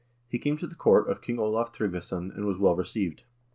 He came to the court of King Olav Tryggvason, and was well received.